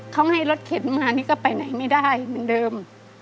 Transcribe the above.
เขาให้รถเข็นมานี่ก็ไปไหนไม่ได้เหมือนเดิม